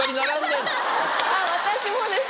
私もです。